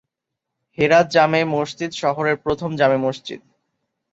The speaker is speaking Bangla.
হেরাত জামে মসজিদ শহরের প্রথম জামে মসজিদ।